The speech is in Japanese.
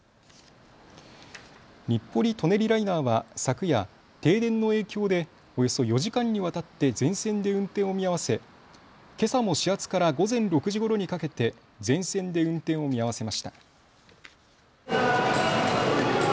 日暮里・舎人ライナーは昨夜、停電の影響でおよそ４時間にわたって全線で運転を見合わせけさも始発から午前６時ごろにかけて全線で運転を見合わせました。